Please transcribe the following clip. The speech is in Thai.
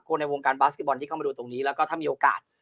ในวงการบาสเก็บอลที่เข้ามาดูตรงนี้แล้วก็ถ้ามีโอกาส